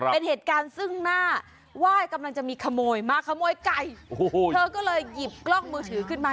เป็นเหตุการณ์ซึ่งหน้าว่ายกำลังจะมีขโมยมาขโมยไก่โอ้โหเธอก็เลยหยิบกล้องมือถือขึ้นมา